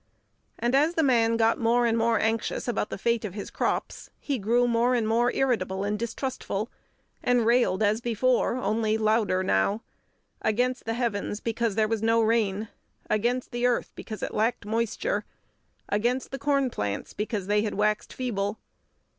And as the man got more and more anxious about the fate of his crops, he grew more and more irritable and distrustful, and railed as before, only louder now, against the heavens because there was no rain; against the earth because it lacked moisture; against the corn plants because they had waxed feeble.